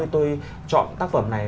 tôi chọn tác phẩm này